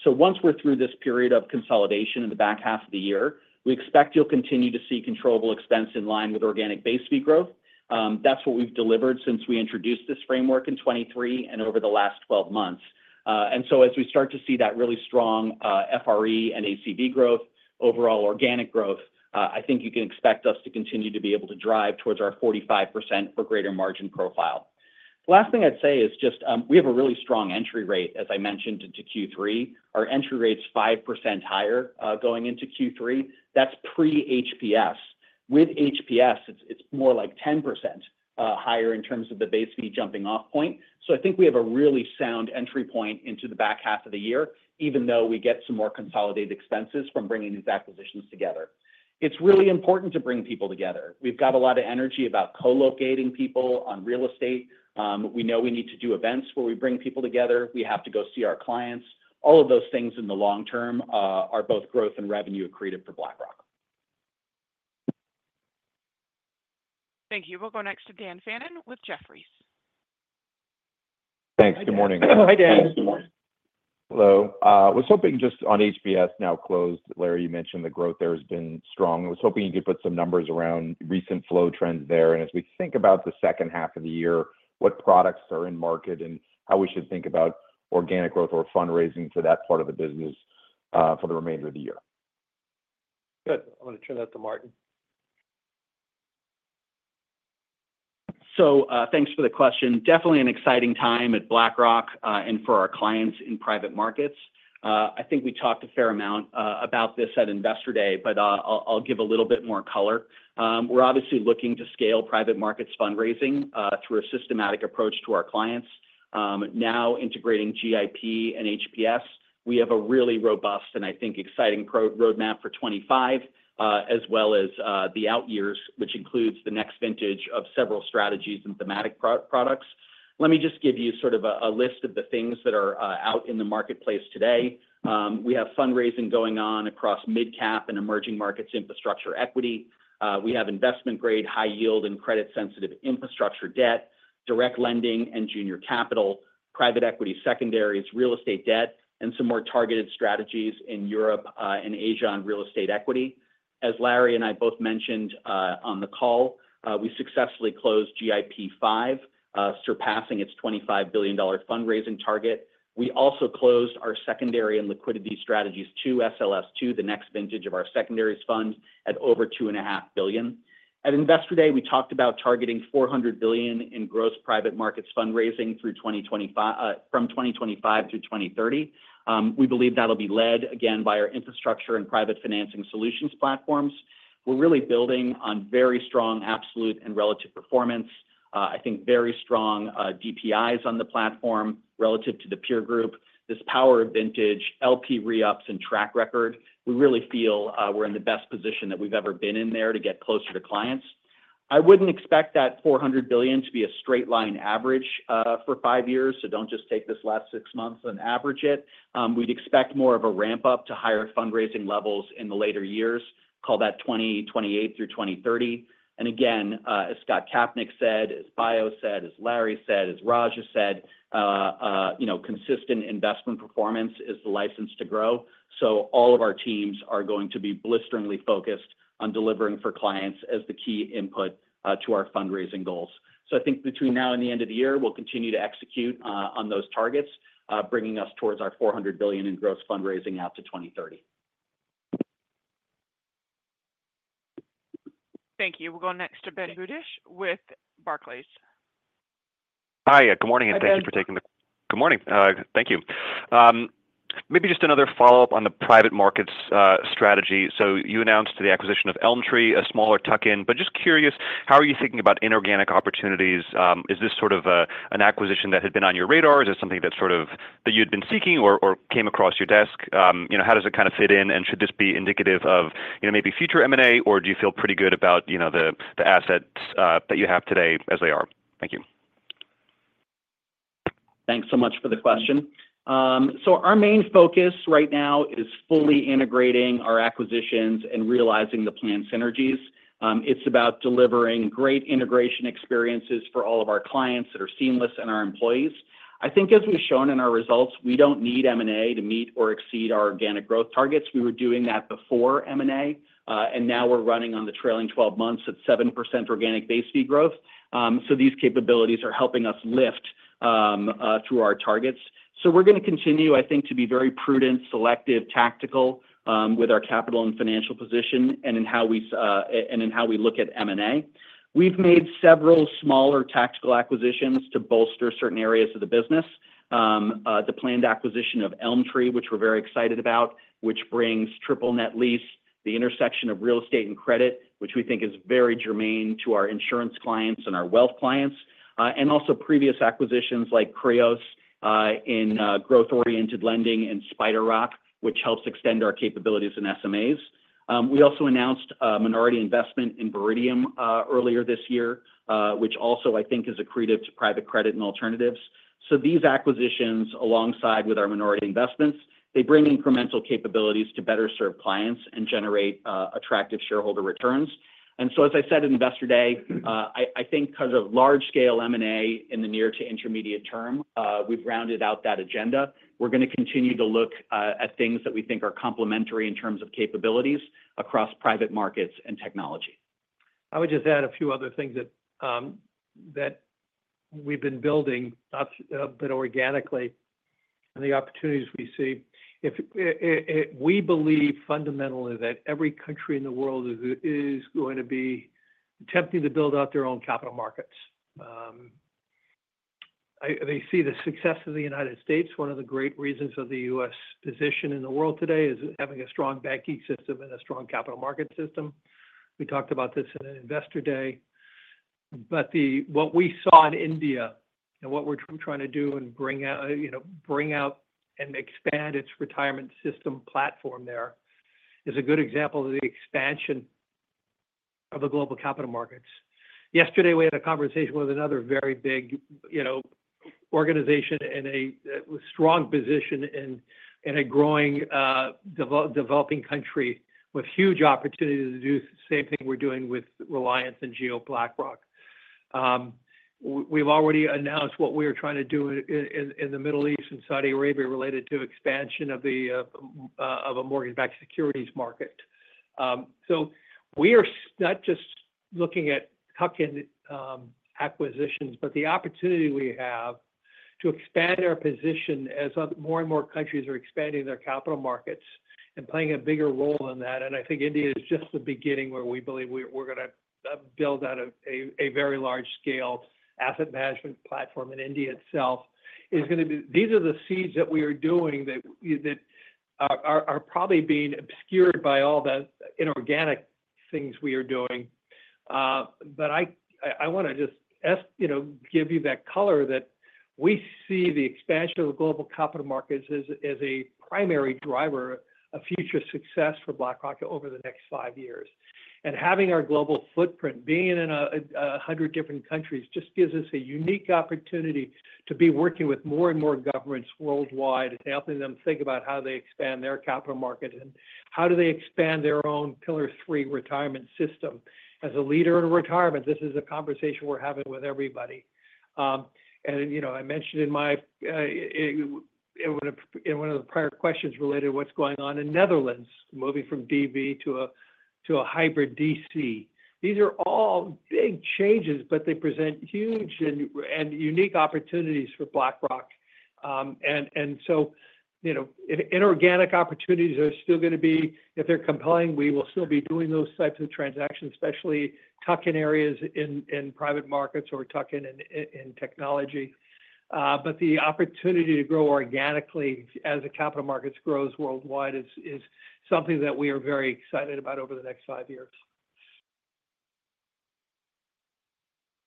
Once we're through this period of consolidation in the back half of the year, we expect you'll continue to see controllable expense in line with organic base fee growth. That's what we've delivered since we introduced this framework in 2023 and over the last 12 months. As we start to see that really strong FRE and ACB growth, overall organic growth, I think you can expect us to continue to be able to drive towards our 45% or greater margin profile. The last thing I'd say is just we have a really strong entry rate, as I mentioned, into Q3. Our entry rate's 5% higher going into Q3. That's pre-HPS. With HPS, it's more like 10% higher in terms of the base fee jumping off point. I think we have a really sound entry point into the back half of the year, even though we get some more consolidated expenses from bringing these acquisitions together. It is really important to bring people together. We have got a lot of energy about co-locating people on real estate. We know we need to do events where we bring people together. We have to go see our clients. All of those things in the long term are both growth and revenue accretive for BlackRock. Thank you. We will go next to Dan Fannon with Jefferies. Thanks. Good morning. Hi, Dan. Good morning. Hello. I was hoping just on HPS now closed, Larry, you mentioned the growth there has been strong. I was hoping you could put some numbers around recent flow trends there as we think about the second half of the year, what products are in market and how we should think about organic growth or fundraising for that part of the business for the remainder of the year. Good. I'm going to turn that to Martin. Thanks for the question. Definitely an exciting time at BlackRock and for our clients in private markets. I think we talked a fair amount about this at investor day, but I'll give a little bit more color. We're obviously looking to scale private markets fundraising through a systematic approach to our clients. Now integrating GIP and HPS, we have a really robust and, I think, exciting roadmap for 2025, as well as the out years, which includes the next vintage of several strategies and thematic products. Let me just give you sort of a list of the things that are out in the marketplace today. We have fundraising going on across mid-cap and emerging markets infrastructure equity. We have investment-grade, high-yield, and credit-sensitive infrastructure debt, direct lending, and junior capital, private equity secondaries, real estate debt, and some more targeted strategies in Europe and Asia on real estate equity. As Larry and I both mentioned on the call, we successfully closed GIP 5, surpassing its $25 billion fundraising target. We also closed our secondary and liquidity strategies to SLS 2, the next vintage of our secondaries fund at over $2.5 billion. At investor day, we talked about targeting $400 billion in gross private markets fundraising from 2025 through 2030. We believe that'll be led again by our infrastructure and private financing solutions platforms. We're really building on very strong absolute and relative performance. I think very strong DPIs on the platform relative to the peer group, this power of vintage, LP re-ups, and track record. We really feel we're in the best position that we've ever been in there to get closer to clients. I wouldn't expect that $400 billion to be a straight line average for five years. So don't just take this last six months and average it. We'd expect more of a ramp-up to higher fundraising levels in the later years, call that 2028 through 2030. Again, as Scott Kapnick said, as Bio said, as Larry said, as Raj said. Consistent investment performance is the license to grow. All of our teams are going to be blisteringly focused on delivering for clients as the key input to our fundraising goals. I think between now and the end of the year, we'll continue to execute on those targets, bringing us towards our $400 billion in gross fundraising out to 2030. Thank you. We'll go next to Ben Budish with Barclays. Hi. Good morning, and thank you *crosstalk* for taking the—good morning. Thank you. Maybe just another follow-up on the private markets strategy. You announced the acquisition of ElmTree, a smaller tuck-in. Just curious, how are you thinking about inorganic opportunities? Is this sort of an acquisition that had been on your radar? Is it something that you had been seeking or came across your desk? How does it kind of fit in? Should this be indicative of maybe future M&A, or do you feel pretty good about the assets that you have today as they are? Thank you. Thanks so much for the question. Our main focus right now is fully integrating our acquisitions and realizing the plan synergies. It's about delivering great integration experiences for all of our clients that are seamless and our employees. I think as we've shown in our results, we don't need M&A to meet or exceed our organic growth targets. We were doing that before M&A. Now we're running on the trailing 12 months at 7% organic base fee growth. These capabilities are helping us lift through our targets. We're going to continue, I think, to be very prudent, selective, tactical with our capital and financial position and in how we look at M&A. We've made several smaller tactical acquisitions to bolster certain areas of the business. The planned acquisition of ElmTree, which we're very excited about, which brings triple net lease, the intersection of real estate and credit, which we think is very germane to our insurance clients and our wealth clients. Also previous acquisitions like Krios in growth-oriented lending and SpiderRock, which helps extend our capabilities in SMAs. We also announced a minority investment in Veridium earlier this year, which also, I think, is accretive to private credit and alternatives. These acquisitions, alongside with our minority investments, they bring incremental capabilities to better serve clients and generate attractive shareholder returns. As I said at investor day, I think kind of large-scale M&A in the near to intermediate term, we've rounded out that agenda. We're going to continue to look at things that we think are complementary in terms of capabilities across private markets and technology. I would just add a few other things that. We've been building, not a bit organically, and the opportunities we see. We believe fundamentally that every country in the world is going to be attempting to build out their own capital markets. They see the success of the United States. One of the great reasons of the U.S. position in the world today is having a strong banking system and a strong capital market system. We talked about this at investor day. What we saw in India and what we're trying to do and bring out. Expand its retirement system platform there is a good example of the expansion. Of the global capital markets. Yesterday, we had a conversation with another very big. Organization in a strong position in a growing. Developing country with huge opportunity to do the same thing we're doing with Reliance and Jio BlackRock. We've already announced what we are trying to do in the Middle East and Saudi Arabia related to expansion of a mortgage-backed securities market. We are not just looking at tuck-in acquisitions, but the opportunity we have to expand our position as more and more countries are expanding their capital markets and playing a bigger role in that. I think India is just the beginning where we believe we're going to build out a very large-scale asset management platform in India itself. These are the seeds that we are doing that are probably being obscured by all the inorganic things we are doing. I want to just give you that color that we see the expansion of the global capital markets as a primary driver of future success for BlackRock over the next five years. Having our global footprint, being in 100 different countries, just gives us a unique opportunity to be working with more and more governments worldwide and helping them think about how they expand their capital market and how do they expand their own pillar three retirement system as a leader in retirement. This is a conversation we're having with everybody. I mentioned in one of the prior questions related to what's going on in Netherlands, moving from DV to a hybrid DC. These are all big changes, but they present huge and unique opportunities for BlackRock. Inorganic opportunities are still going to be—if they're compelling, we will still be doing those types of transactions, especially tuck-in areas in private markets or tuck-in in technology. The opportunity to grow organically as the capital markets grow worldwide is something that we are very excited about over the next five years.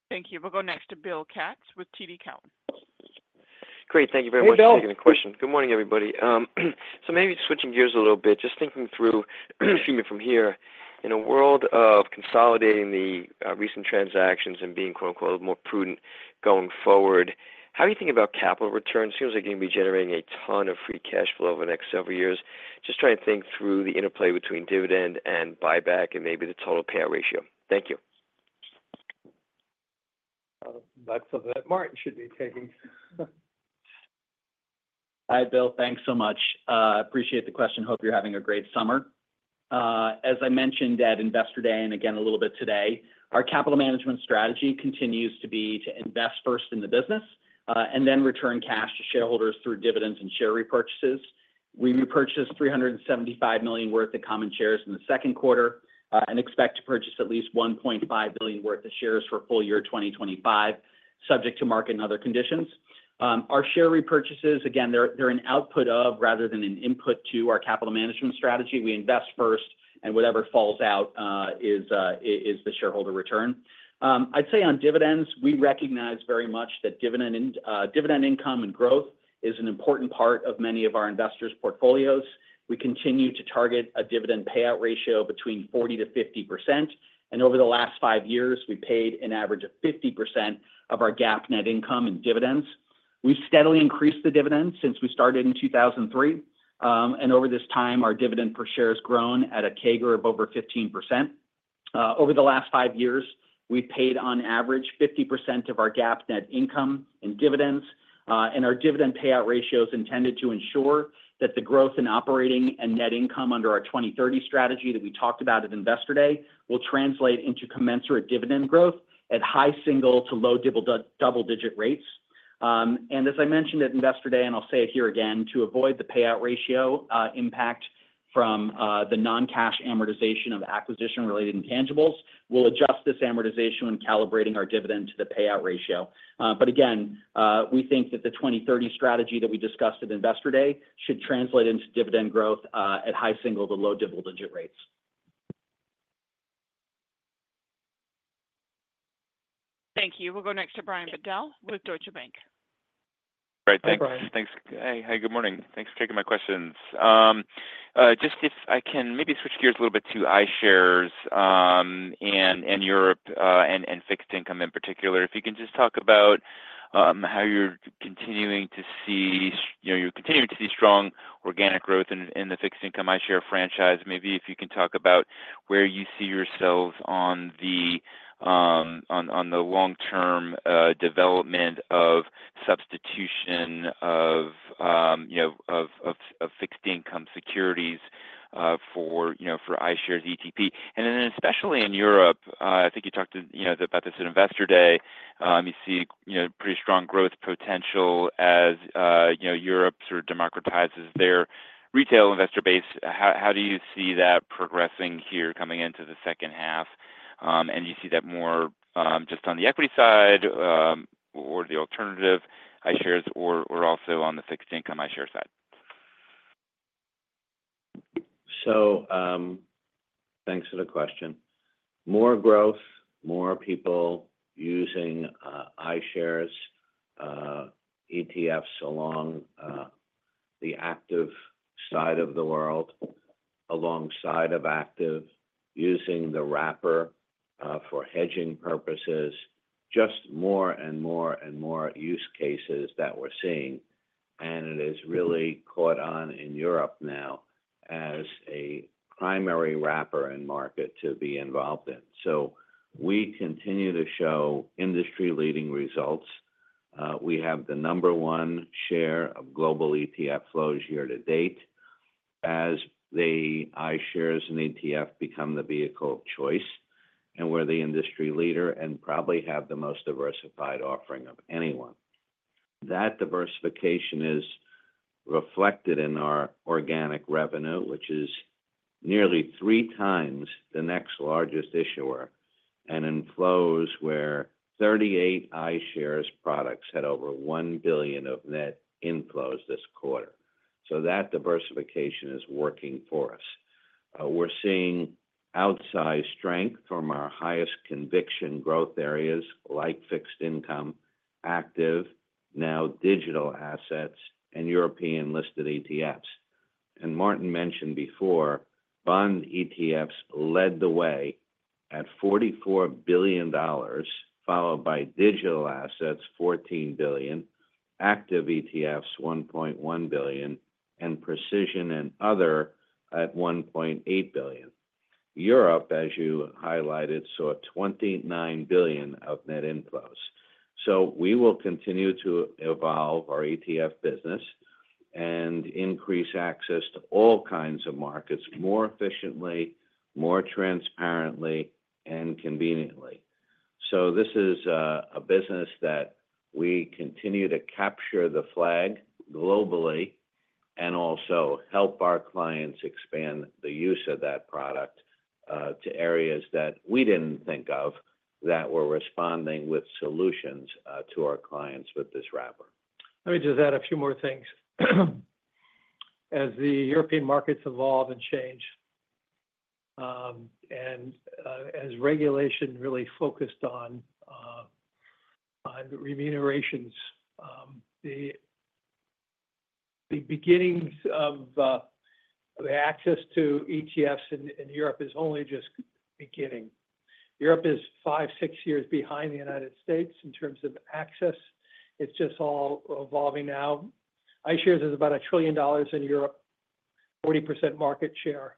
Thank you. We'll go next to Bill Katz with TD Cowen. Great. Thank you very much. *crosstalk* Good morning, everybody. Maybe switching gears a little bit, just thinking through, excuse me, from here, in a world of consolidating the recent transactions and being "more prudent" going forward, how do you think about capital returns? It seems like you're going to be generating a ton of free cash flow over the next several years. Just trying to think through the interplay between dividend and buyback and maybe the total payout ratio. Thank you. That's something that Martin should be taking. Hi, Bill. Thanks so much. I appreciate the question. Hope you're having a great summer, as I mentioned at investor day and again a little bit today, our capital management strategy continues to be to invest first in the business and then return cash to shareholders through dividends and share repurchases. We repurchased $375 million worth of common shares in the second quarter and expect to purchase at least $1.5 billion worth of shares for full year 2025, subject to market and other conditions. Our share repurchases, again, they're an output of rather than an input to our capital management strategy. We invest first, and whatever falls out is the shareholder return. I'd say on dividends, we recognize very much that dividend income and growth is an important part of many of our investors' portfolios. We continue to target a dividend payout ratio between 40%-50%. Over the last five years, we paid an average of 50% of our GAAP net income in dividends. We have steadily increased the dividends since we started in 2003. Over this time, our dividend per share has grown at a CAGR of over 15%. Over the last five years, we have paid on average 50% of our GAAP net income in dividends. Our dividend payout ratio is intended to ensure that the growth in operating and net income under our 2030 strategy that we talked about at investor day will translate into commensurate dividend growth at high single- to low double-digit rates. As I mentioned at investor day, and I will say it here again, to avoid the payout ratio impact from the non-cash amortization of acquisition-related intangibles, we will adjust this amortization when calibrating our dividend to the payout ratio. Again, we think that the 2030 strategy that we discussed at investor day should translate into dividend growth at high single to low double-digit rates. Thank you. We'll go next to Brian Bedell with Deutsche Bank. All right. *crosstalk* Thanks. Hey. Hi. Good morning. Thanks for taking my questions. Just if I can maybe switch gears a little bit to iShares. And Europe and fixed income in particular. If you can just talk about how you're continuing to see—you're continuing to see strong organic growth in the fixed income iShares franchise. Maybe if you can talk about where you see yourselves on the long-term development of substitution of fixed income securities for iShares ETP. And then especially in Europe, I think you talked about this at investor day. You see pretty strong growth potential as Europe sort of democratizes their retail investor base. How do you see that progressing here coming into the second half? Do you see that more just on the equity side, the alternative iShares, or also on the fixed income iShares side? Thanks for the question. More growth, more people using iShares ETFs along the active side of the world, alongside of active, using the wrapper for hedging purposes. Just more and more and more use cases that we're seeing. It has really caught on in Europe now as a primary wrapper and market to be involved in. We continue to show industry-leading results. We have the number one share of global ETF flows year to date as the iShares and ETF become the vehicle of choice, and we're the industry leader and probably have the most diversified offering of anyone. That diversification is. Reflected in our organic revenue, which is nearly three times the next largest issuer and in flows where 38 iShares products had over $1 billion of net inflows this quarter. That diversification is working for us. We're seeing outsized strength from our highest conviction growth areas like fixed income, active, now digital assets, and European listed ETFs. Martin mentioned before, bond ETFs led the way at $44 billion. Followed by digital assets, $14 billion, active ETFs, $1.1 billion, and precision and other at $1.8 billion. Europe, as you highlighted, saw $29 billion of net inflows. We will continue to evolve our ETF business and increase access to all kinds of markets more efficiently, more transparently, and conveniently. This is a business that we continue to capture the flag globally and also help our clients expand the use of that product to areas that we did not think of that were responding with solutions to our clients with this wrapper. Let me just add a few more things. As the European markets evolve and change, and as regulation really focused on remunerations, the beginnings of access to ETFs in Europe is only just beginning. Europe is five-six years behind the United States in terms of access. It is just all evolving now. iShares is about $1 trillion in Europe, 40% market share.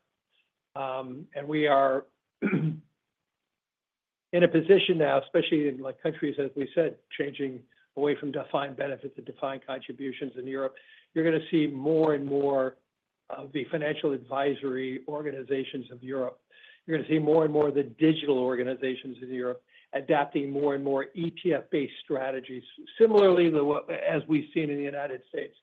We are in a position now, especially in countries, as we said, changing away from defined benefits and defined contributions in Europe. You are going to see more and more of the financial advisory organizations of Europe. You're going to see more and more of the digital organizations in Europe adapting more and more ETF-based strategies, similarly to what we've seen in the United States.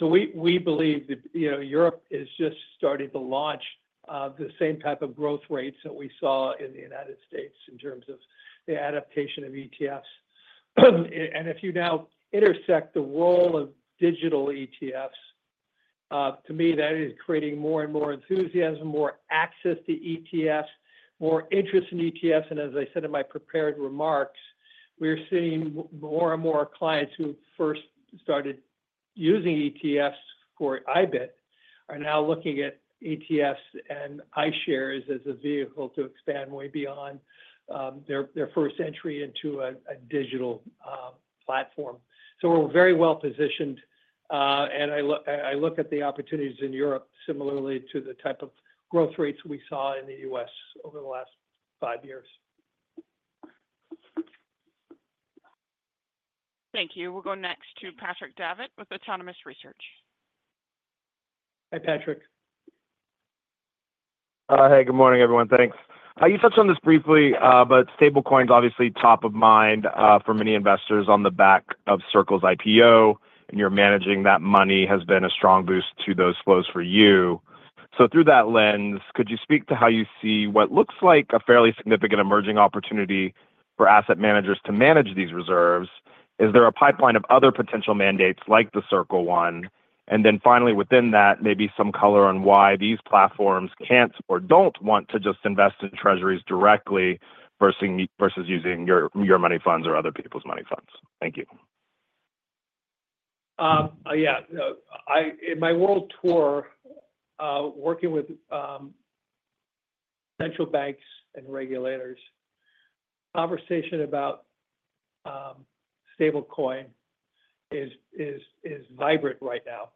We believe that Europe is just starting to launch the same type of growth rates that we saw in the United States in terms of the adaptation of ETFs. If you now intersect the role of digital ETFs, to me, that is creating more and more enthusiasm, more access to ETFs, more interest in ETFs. As I said in my prepared remarks, we're seeing more and more clients who first started using ETFs for IBIT are now looking at ETFs and iShares as a vehicle to expand way beyond their first entry into a digital platform. We're very well positioned. I look at the opportunities in Europe similarly to the type of growth rates we saw in the U.S. over the last five years. Thank you. We'll go next to Patrick Davitt with Autonomous Research. Patrick Hi. Good morning, everyone. Thanks. You touched on this briefly, but stablecoins, obviously, top of mind for many investors on the back of Circle's IPO, and you're managing that money has been a strong boost to those flows for you. Through that lens, could you speak to how you see what looks like a fairly significant emerging opportunity for asset managers to manage these reserves? Is there a pipeline of other potential mandates like the Circle one? Finally, within that, maybe some color on why these platforms can't or don't want to just invest in treasuries directly versus using your money funds or other people's money funds. Thank you. Yeah. In my world tour, working with central banks and regulators, conversation about stablecoin is vibrant right now.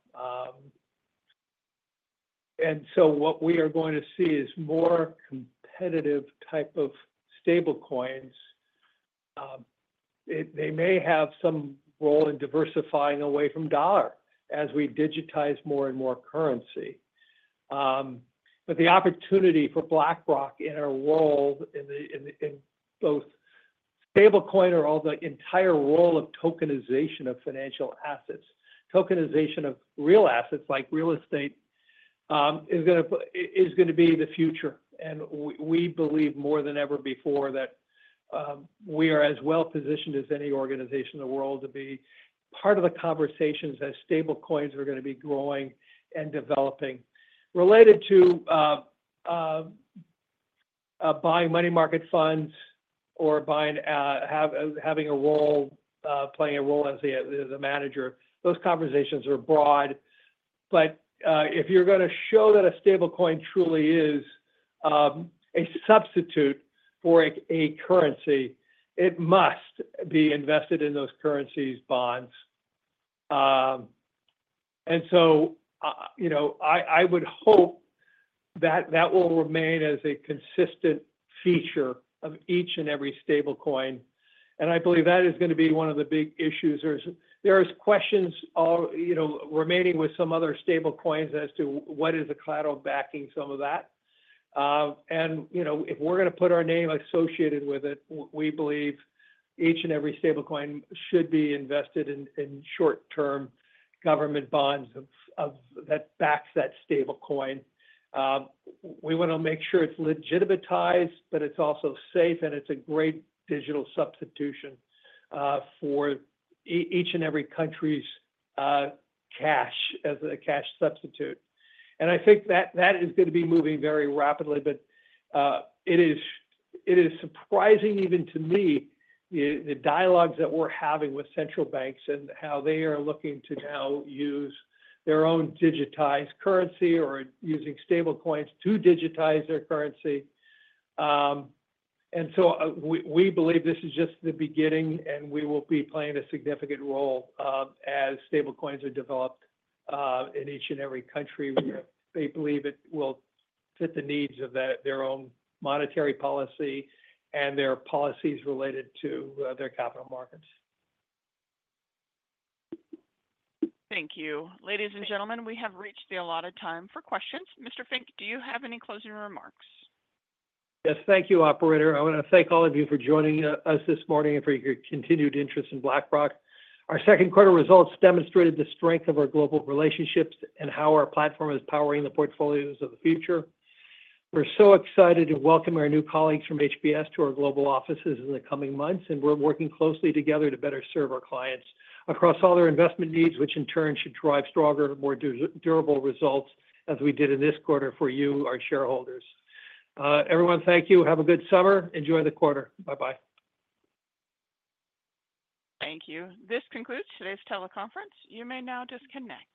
What we are going to see is more competitive type of stablecoins. They may have some role in diversifying away from dollar as we digitize more and more currency. The opportunity for BlackRock in our world, in both stablecoin or the entire role of tokenization of financial assets, tokenization of real assets like real estate, is going to be the future. We believe more than ever before that we are as well positioned as any organization in the world to be part of the conversations as stablecoins are going to be growing and developing. Related to buying money market funds or having a role, playing a role as a manager, those conversations are broad. If you're going to show that a stablecoin truly is. A substitute for a currency, it must be invested in those currencies, bonds. I would hope that that will remain as a consistent feature of each and every stablecoin. I believe that is going to be one of the big issues. There are questions remaining with some other stablecoins as to what is the collateral backing some of that. If we're going to put our name associated with it, we believe each and every stablecoin should be invested in short-term government bonds that back that stablecoin. We want to make sure it's legitimatized, but it's also safe, and it's a great digital substitution for each and every country's cash as a cash substitute. I think that that is going to be moving very rapidly. It is surprising even to me. The dialogues that we're having with central banks and how they are looking to now use their own digitized currency or using stablecoins to digitize their currency. We believe this is just the beginning, and we will be playing a significant role as stablecoins are developed. In each and every country, we believe it will fit the needs of their own monetary policy and their policies related to their capital markets. Thank you. Ladies and gentlemen, we have reached the allotted time for questions. Mr. Fink, do you have any closing remarks? Yes. Thank you, operator. I want to thank all of you for joining us this morning and for your continued interest in BlackRock. Our second-quarter results demonstrated the strength of our global relationships and how our platform is powering the portfolios of the future. We're so excited to welcome our new colleagues from HPS to our global offices in the coming months, and we're working closely together to better serve our clients across all their investment needs, which in turn should drive stronger, more durable results as we did in this quarter for you, our shareholders. Everyone, thank you. Have a good summer. Enjoy the quarter. Bye-bye. Thank you. This concludes today's teleconference. You may now disconnect.